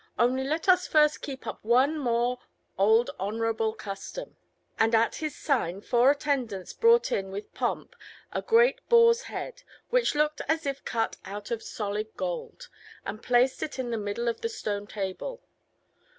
Only let us first keep up one more old honourable custom." And at his sign four attendants brought in with pomp a great boar's head, which looked as if cut out of solid gold, and placed it in the middle of the stone table.